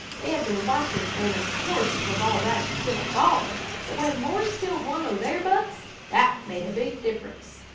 They had been watchin' an', of course, 'twas all right to kill Father, but when 'Mord' killed one o' their bucks, that made a big difference.